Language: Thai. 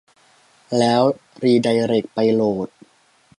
แล้วรีไดเร็กไปโหลด